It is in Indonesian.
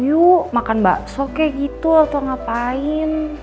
yuk makan bakso kayak gitu atau ngapain